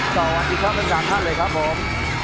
สวัสดีครับทั้ง๓ท่านเลยครับผม